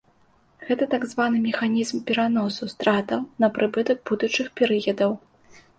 Гэта так званы механізм пераносу стратаў на прыбытак будучых перыядаў.